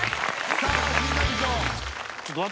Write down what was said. さあ審査委員長。